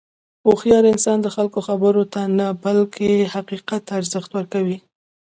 هوښیار انسان د خلکو خبرو ته نه، بلکې حقیقت ته ارزښت ورکوي.